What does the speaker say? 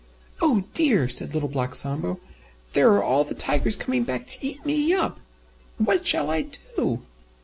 "Oh dear!" said Little Black Sambo, "There are all the Tigers coming back to eat me up! What shall I do?"